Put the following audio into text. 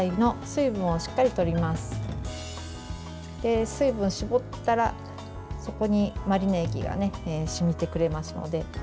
水分を絞ったら、そこにマリネ液が染みてくれますので。